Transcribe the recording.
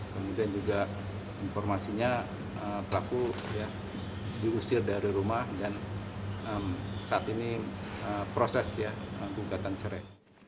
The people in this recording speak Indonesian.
kemudian juga informasinya pelaku diusir dari rumah dan saat ini proses ya gugatan cerai